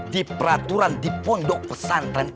di peraturan di pondok pesantren